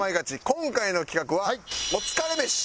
今回の企画はお疲れ飯。